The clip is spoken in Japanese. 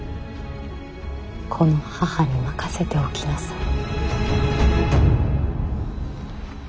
この母に任せておきなさい。